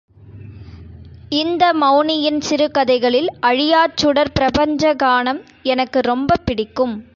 இந்த மெளனியின் சிறுகதைகளில் அழியாச்சுடர் பிரபஞ்சகானம் எனக்கு ரொம்ப பிடிக்கும்.